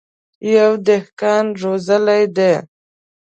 يوه دهقان روزلي دي.